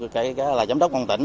kể cả là giám đốc con tỉnh